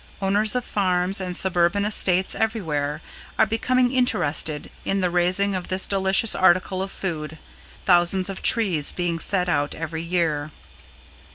Owners of farms and suburban estates everywhere are becoming interested in the raising of this delicious article of food, thousands of trees being set out every year.